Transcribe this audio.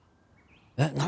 「えっ何？」